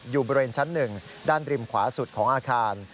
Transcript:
อยู่บริเวณชั้น๑ด้านริมขวาสุดของอาคาร